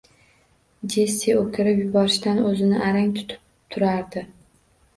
Jessi o`kirib yuborishdan o`zini arang tutib turardi